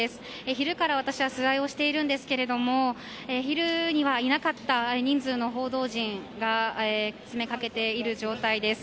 昼から私は取材をしているんですけれども昼にはいなかった人数の報道陣が詰めかけている状態です。